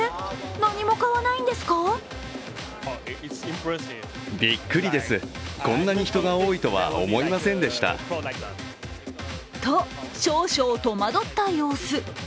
何も買わないんですか？と少々戸惑った様子。